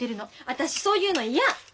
私そういうの嫌！